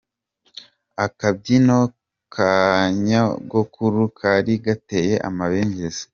Akabyino kanyogokuru kari gateye amabengeza.